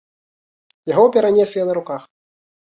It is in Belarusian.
Яго перанеслі на руках.